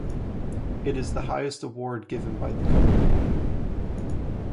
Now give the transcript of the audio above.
It is the highest award given by the company.